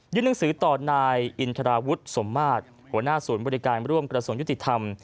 หนังสือต่อนายอินทราวุฒิสมมาตรหัวหน้าศูนย์บริการร่วมกระทรวงยุติธรรม